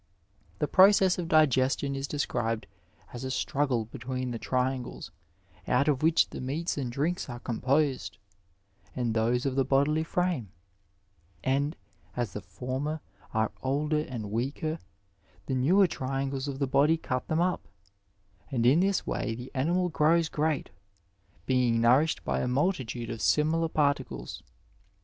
The process of digestion is described as a struggle between the triangles out of which the meats and drinks are com posed, and those of the bodily frame ; and as the former are older and weaker tiie newer triangles of the body cut them up, and in this way the animal grows great, being nourished by a multitude of similar particles.